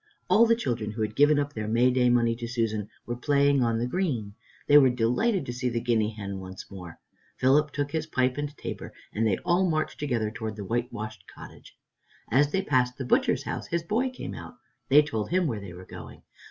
All the children who had given up their Mayday money to Susan were playing on the green. They were delighted to see the guinea hen once more. Philip took his pipe and tabor and they all marched together towards the whitewashed cottage. As they passed the butcher's house, his boy came out. They told him where they were going.